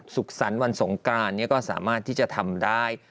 สุขสรรค์วันสงกรานก็สามารถที่จะทำได้